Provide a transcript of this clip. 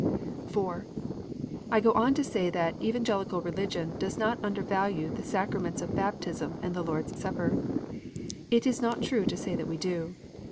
(4) I go on to say that Evangelical Religion (Toes not under value the Sacraments of Baptism and the Lord s Surjper. It is not true to say that we do.